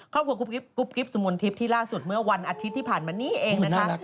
กรุ๊ปกิ๊บสุมนทิพย์ที่ล่าสุดเมื่อวันอาทิตย์ที่ผ่านมานี้เองนะคะ